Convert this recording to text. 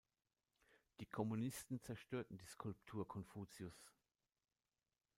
Die Kommunisten zerstörten die Skulptur Konfuzius'.